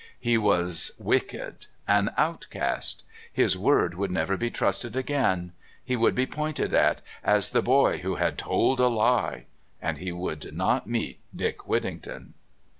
He was wicked, an outcast; his word could never be trusted again; he would be pointed at, as the boy who had told a lie... And he would not meet Dick Whittington.